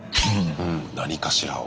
何かしらを。